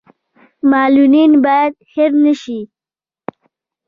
معلولین باید هیر نشي